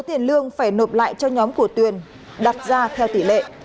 tiền lương phải nộp lại cho nhóm của tuyền đặt ra theo tỷ lệ